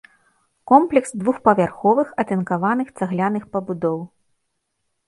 Комплекс двухпавярховых атынкаваных цагляных пабудоў.